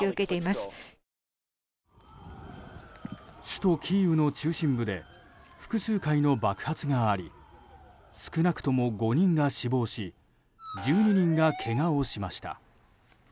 首都キーウの中心部で複数回の爆発があり少なくとも５人が死亡し１２人がけがをしました。